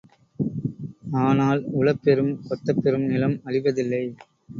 ஆனால் உழப்பெறும் கொத்தப்பெறும் நிலம் அழிவதில்லை.